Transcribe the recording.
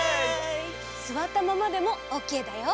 すわったままでもオッケーだよ。